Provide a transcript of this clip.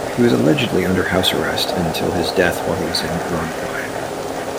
He was allegedly under house arrest until his death while he was in Urumqi.